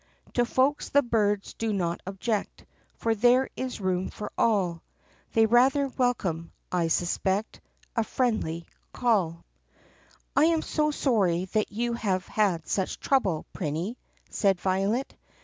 To folks the birds do not object , Tor there is room for all. They rather welcome , I suspect , A friendly call. I AM so sorry that you have had such trouble, Prinny," said Violet.